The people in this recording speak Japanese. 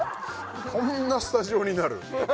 こんなスタジオになる？